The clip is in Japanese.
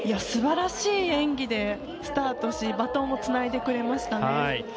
すばらしい演技でスタートしてバトンをつないでくれました。